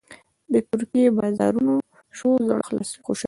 د ترکي بازارونو شور زړه خوشحالوي.